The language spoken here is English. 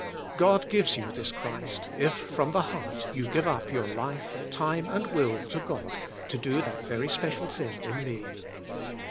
God gives you this Christ, if, from the heart, you give up your life, time and will to God to do that very special thing in me.